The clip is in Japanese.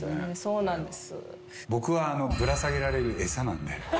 そうなんです。